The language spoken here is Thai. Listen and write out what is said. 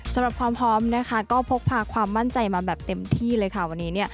สำหรับความพร้อมนะคะก็พกพาความมั่นใจมาแบบเต็มที่เลยค่ะวันนี้เนี่ย